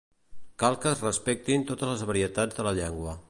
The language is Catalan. Cal que es respectin totes les varietats de la llengua.